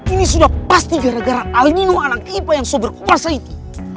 ini sudah pasti gara gara aldino anak kipas yang soberkuasa itu